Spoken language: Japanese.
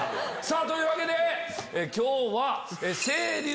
というわけで今日は。